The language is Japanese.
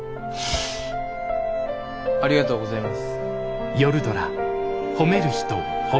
ありがとうございます。